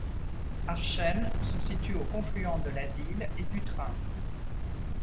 Archennes se situe au confluent de la Dyle et du Train.